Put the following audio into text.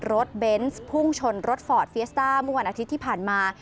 เบนส์พุ่งชนรถฟอร์ดเฟียสต้าเมื่อวันอาทิตย์ที่ผ่านมา